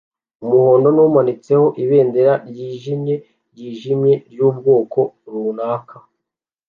umuhondo rumanitseho ibendera ryijimye ryijimye ryubwoko runaka